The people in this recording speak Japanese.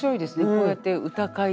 こうやって歌会ですか？